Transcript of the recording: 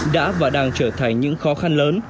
đã và đang trở thành những khó khăn lớn